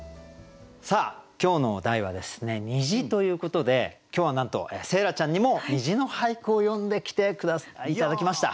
さあ今日の題はですね「虹」ということで今日はなんと星来ちゃんにも「虹」の俳句を詠んできて頂きました！